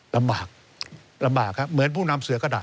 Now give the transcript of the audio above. รำบากเหมือนผู้นำเสือกระดาษ